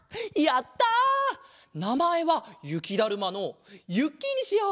なまえはゆきだるまのゆっきーにしよう。